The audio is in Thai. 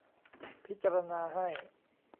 พิจารณาให้